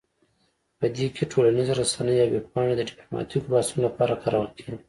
په دې کې ټولنیز رسنۍ او ویب پاڼې د ډیپلوماتیکو بحثونو لپاره کارول کیږي